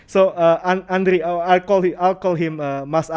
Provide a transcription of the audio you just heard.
jadi andri saya akan menyebutnya mas asmo